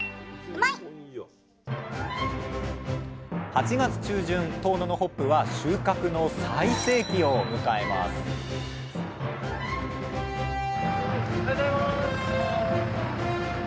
８月中旬遠野のホップは収穫の最盛期を迎えますおはようございます。